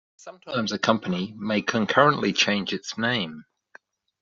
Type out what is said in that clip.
Sometimes a company may concurrently change its name.